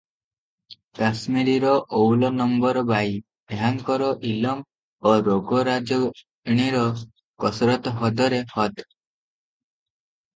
କାଶ୍ମୀରର ଅଉଲ ନମ୍ବର ବାଈ -ଏହାଙ୍କର ଇଲମ ଓ ରାଗରାଜଣୀର କସରତ୍ ହଦରେ ହଦ୍ ।